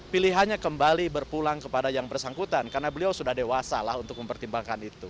pilihannya kembali berpulang kepada yang bersangkutan karena beliau sudah dewasa lah untuk mempertimbangkan itu